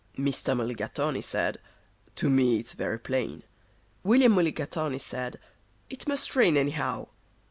Mr. Mulligatawny said, "To me it's very plain." William Mulligatawny said, "It must rain, anyhow."